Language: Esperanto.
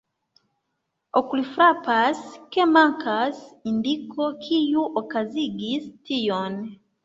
Okulfrapas, ke mankas indiko, kiu okazigis tion.